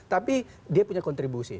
tapi dia punya kontribusi